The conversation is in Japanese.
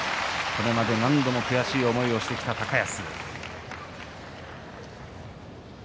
これまで何度も悔しい思いをしてきた高安。